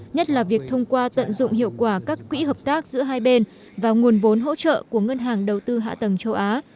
nhất là việc thông qua tận dụng hiệu quả các quỹ hợp tác giữa hai bên và nguồn vốn hỗ trợ của ngân hàng đầu tư hạ tầng châu á